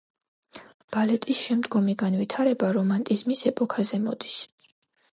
ბალეტის შემდგომი განვითარება რომანტიზმის ეპოქაზე მოდის.